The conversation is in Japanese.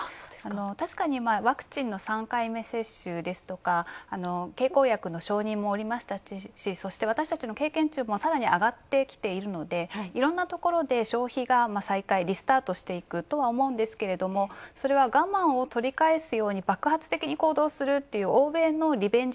確かにワクチンの３回目接種ですとか経口薬の承認も下りましたしそして、私たちの経験値もさらに上がってきているのでいろんなところで消費が再開、リスタートしていくとは思うんですけどもそれは我慢を取り返すように爆発的に行動するっていう欧米のリベンジ